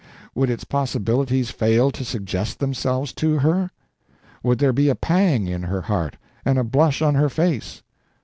would its possibilities fail to suggest themselves to her? would there be a pang in her heart and a blush on her face?